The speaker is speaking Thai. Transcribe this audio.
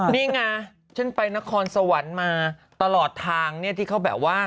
นี่ไงฉันไปนครสวรรค์มาตลอดทางเนี่ยที่เขาแบบว่า